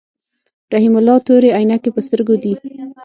رحیم الله تورې عینکی په سترګو دي.